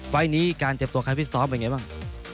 ไฟล์นี้การเจ็บตัวการฟิตซ้อมเป็นไงบ้าง